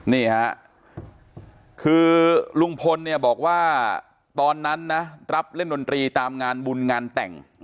นี่ฮะคือลุงพลเนี่ยบอกว่าตอนนั้นนะรับเล่นดนตรีตามงานบุญงานแต่ง